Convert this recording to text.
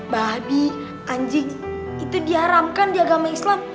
bahbi anjing itu diharamkan di agama islam